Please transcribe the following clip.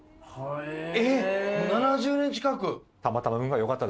えっ７０年近く。